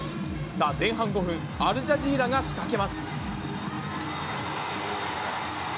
前半５分、アルジャジーラが仕掛けます。